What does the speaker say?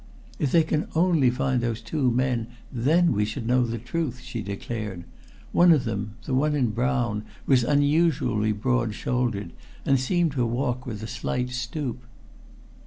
"If they can only find those two men, then we should know the truth," she declared. "One of them the one in brown was unusually broad shouldered, and seemed to walk with a slight stoop."